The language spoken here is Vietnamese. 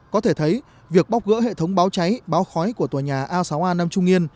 có thể thấy việc bóc gỡ hệ thống báo cháy báo khói của tòa nhà a sáu a nam trung yên